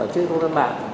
trên công tác mạng